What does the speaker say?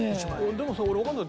でもさ俺わかんない。